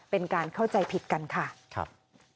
เป็นการเข้าใจผิดกันค่ะครับ